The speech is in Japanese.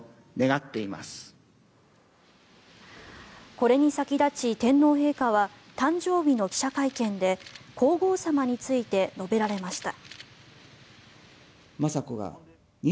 これに先立ち、天皇陛下は誕生日の記者会見で皇后さまについて述べられました。